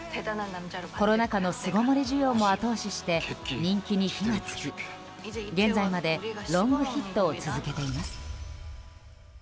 コロナ禍の巣ごもり需要も後押しして人気に火が付き、現在までロングヒットを続けています。